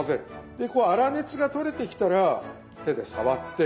でこう粗熱が取れてきたら手で触って確かめる。